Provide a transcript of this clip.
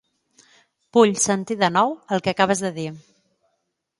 Vull sentir de nou el que acabes de dir.